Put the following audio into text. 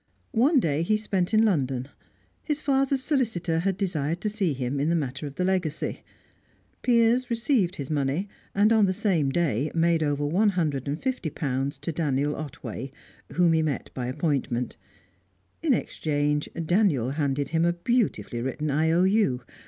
One day he spent in London. His father's solicitor had desired to see him, in the matter of the legacy; Piers received his money, and on the same day made over one hundred and fifty pounds to Daniel Otway, whom he met by appointment; in exchange, Daniel handed him a beautifully written I.O.U.